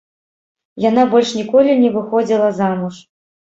Яна больш ніколі не выходзіла замуж.